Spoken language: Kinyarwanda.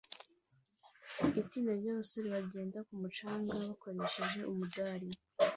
Itsinda ryabasore bagenda ku mucanga bakoresheje umudari